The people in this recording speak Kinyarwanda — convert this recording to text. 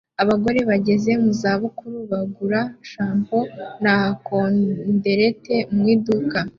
Abagore bageze mu zabukuru bagura shampoo na kondereti mu iduka